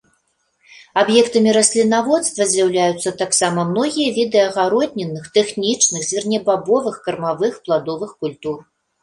Аб'ектамі раслінаводства з'яўляюцца таксама многія віды агароднінных, тэхнічных, зернебабовых, кармавых, пладовых культур.